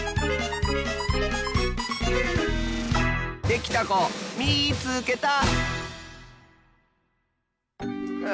できたこみいつけた！